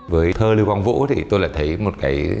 với thơ lưu quang vũ thì tôi lại thấy một cái